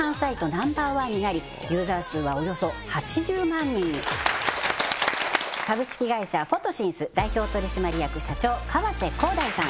ナンバーワンになりユーザー数はおよそ８０万人に株式会社Ｐｈｏｔｏｓｙｎｔｈ代表取締役社長河瀬航大さん